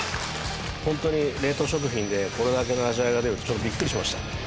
ホントに冷凍食品でこれだけの味わいが出るってちょっとビックリしました